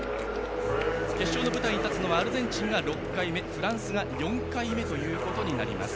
決勝の舞台に立つのはアルゼンチンが６回目フランスが４回目となります。